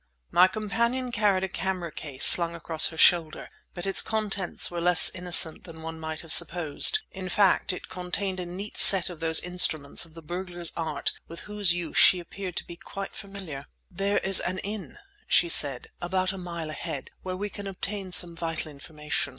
My companion carried a camera case slung across her shoulder, but its contents were less innocent than one might have supposed. In fact, it contained a neat set of those instruments of the burglar's art with whose use she appeared to be quite familiar. "There is an inn," she said, "about a mile ahead, where we can obtain some vital information.